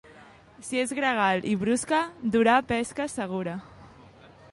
Si és gregal i brusca, durà pesca segura.